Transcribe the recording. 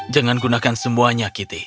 jangan gunakan semuanya kitty